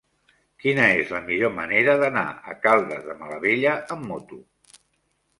Quina és la millor manera d'anar a Caldes de Malavella amb moto?